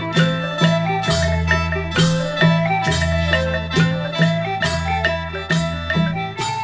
อย่าลืมเล่าสุขกันฟัง